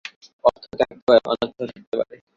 অর্থও থাকতে পারে অনর্থও থাকতে পারে।